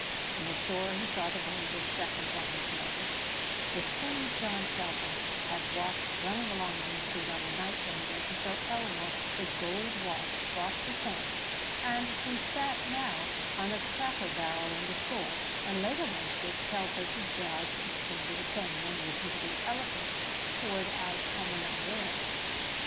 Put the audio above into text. In the store he saw the boy with freckles on his nose the same John Telfer had watched running along Main Street on the night when he went to show Eleanor the gold watch bought for Sam and who sat now on the cracker barrel in the store and later went with Telfer to dodge the swinging cane and listen to the eloquence poured out on the night air.